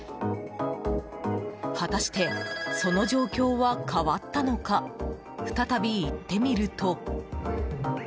果たしてその状況は変わったのか再び行ってみると。